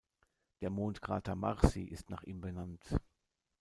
Der Mondkrater Marci ist nach ihm benannt.